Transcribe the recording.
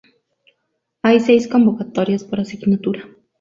Hay seis convocatorias por asignatura.